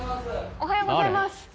おはようございます。